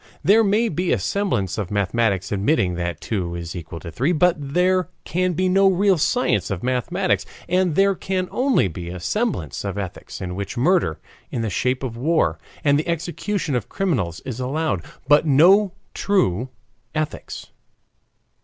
There may be a semblance of mathematics admitting that two is equal to three, but there can be no real science of mathematics. And there can only be a semblance of ethics in which murder in the shape of war and the execution of criminals is allowed, but no true ethics.